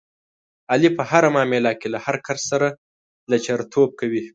علي په هره معامله کې له هر کس سره لچرتوب کوي.